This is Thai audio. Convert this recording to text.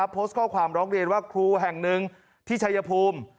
โพสต์ข้อความร้องเรียนว่าครูแห่งหนึ่งที่ชายภูมิ